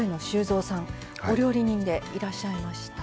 お料理人でいらっしゃいました。